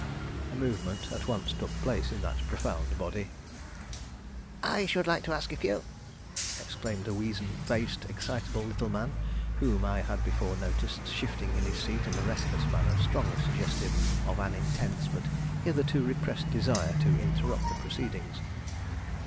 A movement at once took place in that profound body. "I should like to ask a few," exclaimed a weazen faced, excitable little man whom I had before noticed shifting in his seat in a restless manner strongly suggestive of an intense but hitherto repressed desire to interrupt the proceedings.